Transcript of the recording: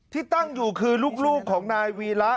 ที่ตั้งอยู่คือลูกของนายวีระ